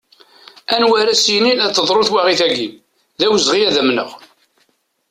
Anwa ara as-yinin ad teḍru twaɣit-a, d awezɣi ad amneɣ.